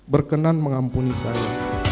berkenan mengampuni saya